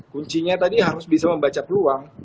kuncinya tadi harus bisa membaca peluang